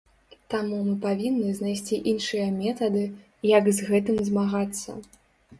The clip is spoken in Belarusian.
Таму мы павінны знайсці іншыя метады, як з гэтым змагацца.